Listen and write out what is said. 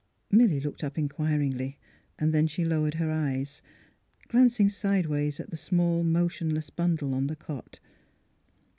Milly looked up inquiringly; then she lowered her eyes, glancing sidewise at the small, motion less bundle on the cot.